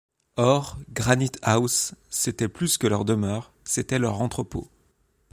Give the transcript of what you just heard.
Or, Granite-house, c’était plus que leur demeure, c’était leur entrepôt.